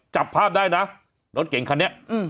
จับภาพได้นะรถเก่งคันนี้